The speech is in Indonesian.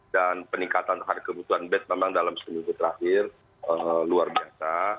dan peningkatan harga kebutuhan bed memang dalam seminggu terakhir luar biasa